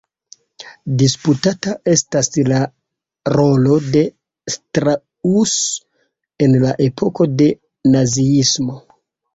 Disputata estas la rolo de Strauss en la epoko de naziismo.